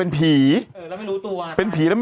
เป็นการกระตุ้นการไหลเวียนของเลือด